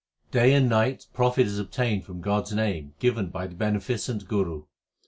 Day and night profit is obtained from God s name given by the beneficent Guru.